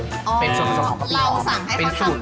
อ๋อเราสั่งให้เขาสั่งแบบนี้